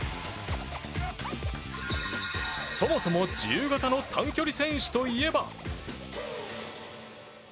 そもそも自由形の単距離選手といえば。